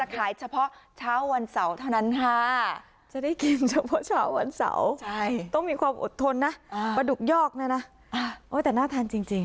ขอบคุณค่ะท่านจิงจิงนะคะ